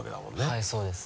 はいそうです。